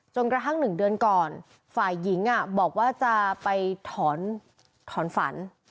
กระทั่ง๑เดือนก่อนฝ่ายหญิงบอกว่าจะไปถอนฝัน